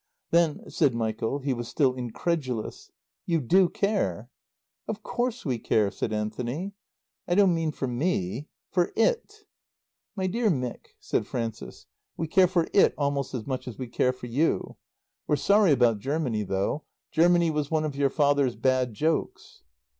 "Then," said Michael (he was still incredulous), "you do care?" "Of course we care," said Anthony. "I don't mean for me for it?" "My dear Mick," said Frances, "we care for It almost as much as we care for you. We're sorry about Germany though. Germany was one of your father's bad jokes."